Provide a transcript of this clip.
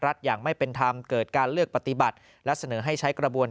อย่างไม่เป็นธรรมเกิดการเลือกปฏิบัติและเสนอให้ใช้กระบวน